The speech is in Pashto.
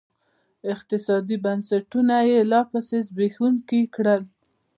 اقتصادي بنسټونه یې لاپسې زبېښونکي کړل.